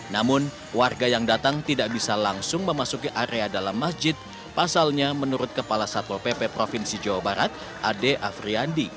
namun warga yang datang tidak bisa langsung memasuki area dalam masjid pasalnya menurut kepala satpol pp provinsi jawa barat ade afriandi